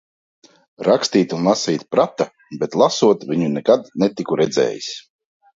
Rakstīt un lasīt prata, bet lasot viņu nekad netiku redzējis.